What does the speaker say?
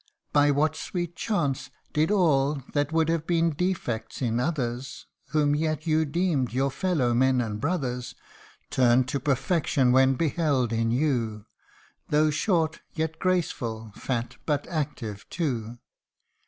By what sweet chance Did all, that would have been defects in others, (Whom yet you deemed your fellow men and brothers,) Turn to perfection when beheld in you ; Tho 1 short, yet graceful ; fat, but active too